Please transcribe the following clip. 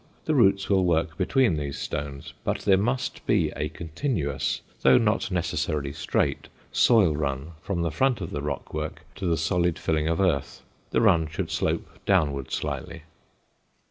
The roots will work between these stones, but there must be a continuous, though not necessarily straight, soil run from the front of the rock work to the solid filling of earth. The run should slope downward slightly.